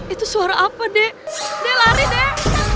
itu suara apa deh dia lari deh